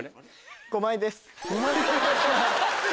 ５枚です。